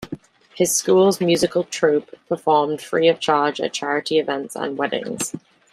His school's musical troupe performed free of charge at charity events and weddings.